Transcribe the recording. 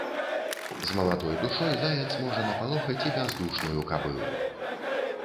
З маладой душой заяц можа напалохаць і бяздушную кабылу.